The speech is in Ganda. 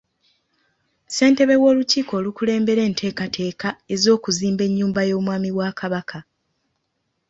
Ssentebe w'olukiiko olukulembera enteekateeka ez'okuzimba ennyumba y'omwami wa Kabaka